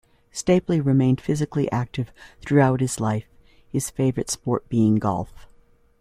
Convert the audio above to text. Stapley remained physically active throughout his life, his favorite sport being golf.